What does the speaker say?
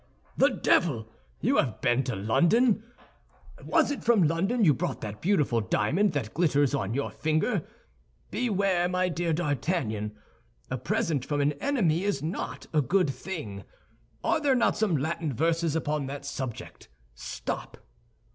"The devil! You have been to London! Was it from London you brought that beautiful diamond that glitters on your finger? Beware, my dear D'Artagnan! A present from an enemy is not a good thing. Are there not some Latin verses upon that subject? Stop!"